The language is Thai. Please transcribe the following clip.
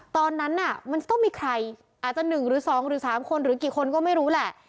ตอนนั้นน่ะมันจะต้องมีใครอาจจะ๑หรือ๒หรือ๓คนหรือกี่คนก็ไม่รู้แหละ